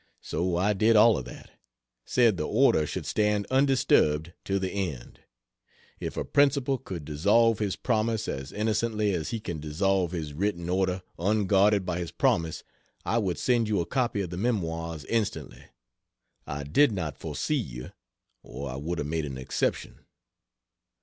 So I did all of that said the order should stand undisturbed to the end. If a principal could dissolve his promise as innocently as he can dissolve his written order unguarded by his promise, I would send you a copy of the Memoirs instantly. I did not foresee you, or I would have made an exception.